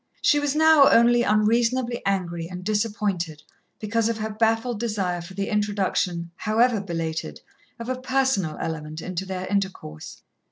She was now only unreasonably angry and disappointed because of her baffled desire for the introduction, however belated, of a personal element into their intercourse.